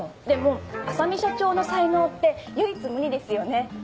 でも浅海社長の才能って唯一無二ですよね。